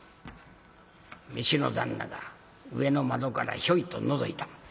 食の旦那が上の窓からひょいとのぞいた。